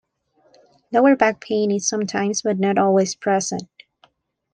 Lower back pain is sometimes but not always present.